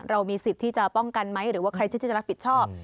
เรามีสิทธิ์ที่จะป้องกันไหมหรือว่าใครที่จะรับผิดชอบ